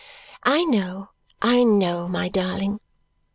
"I know, I know, my darling."